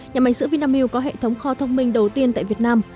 nhà máy sữa vinamilk có hệ thống kho thông minh đầu tiên tại việt nam